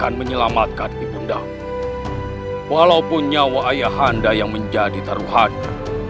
ayah anda atas tanda and the ryoutem lelaki saya jijik saja